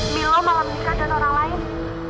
milo malah menikah dengan orang lain